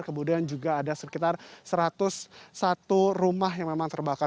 kemudian juga ada sekitar satu ratus satu rumah yang memang terbakar